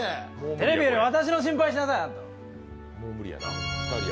テレビより私の心配しなさい。